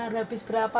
sama rabis berapa